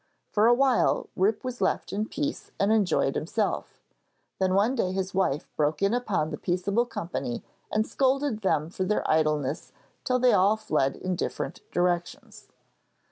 For a while Rip was left in peace and enjoyed himself; then one day his wife broke in upon the peaceable company and scolded them for their idleness till they all fled in different directions.